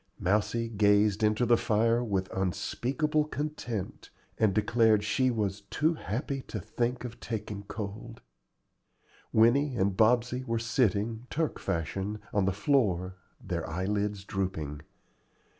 Mousie gazed into the fire with unspeakable content, and declared she was "too happy to think of taking cold." Winnie and Bobsey were sitting, Turk fashion, on the floor, their eyelids drooping.